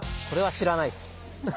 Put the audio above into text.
これは知らないっす。